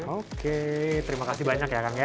oke terima kasih banyak ya kang ya